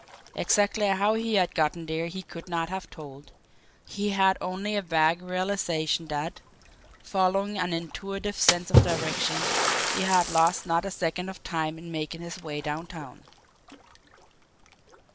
Exactly how he had got there he could not have told; he had only a vague realisation that, following an intuitive sense of direction, he had lost not a second of time in making his way downtown.